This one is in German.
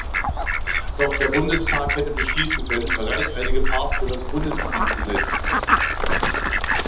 Doch der Bundestag hätte beschließen können, bereits eine Gefahr für das Bundesgebiet zu sehen.